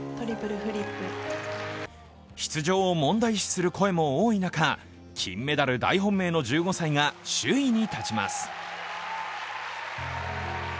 出場を問題視する声も多い中金メダル大本命の１５歳が首位に立ちます。